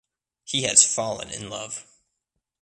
He has fallen in love.